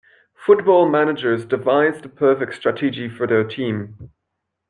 Football managers devise the perfect strategy for their team.